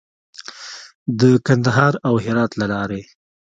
د کندهار او هرات له لارې.